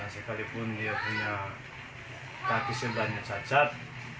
sekalipun dia punya kaki sebanyak cacat